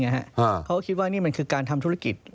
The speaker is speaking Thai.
กับเขาคิดว่านี่คือการทำธุรกิจ